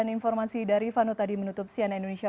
informasi dari vano tadi menutup cnn indonesia